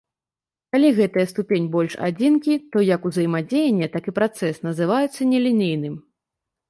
Калі гэтая ступень больш адзінкі, то як узаемадзеянне, так і працэс называюцца нелінейным.